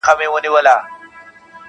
له سړیو ساه ختلې ژوندي مړي پکښي ګرځي -